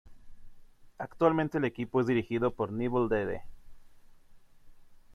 Actualmente el equipo es dirigido por Nevil Dede.